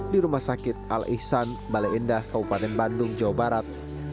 di rumah sakit al ihsan baleendah kabupaten bandung jawa barat